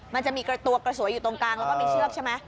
มันจะมีตัวกระสวยอยู่ตรงกลางแล้วก็มีเชือกใช่ไหม